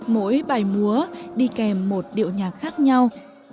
mỗi bài múa đi kèm một điệu nhạc khác nhau